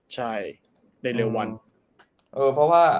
ใช่ได้เร็ววัน